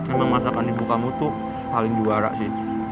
emang masakan ibu kamu tuh paling juara sih